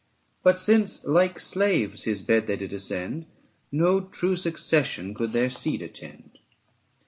But since like slaves his bed they did ascend, 15 No true succession could their seed attend.